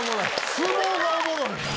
相撲がおもろい！